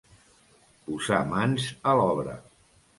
Posar mans a l'obra.